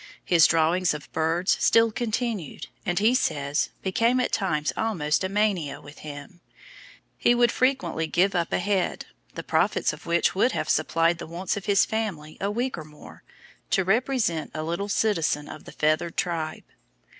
His drawings of birds still continued and, he says, became at times almost a mania with him; he would frequently give up a head, the profits of which would have supplied the wants of his family a week or more, "to represent a little citizen of the feathered tribe."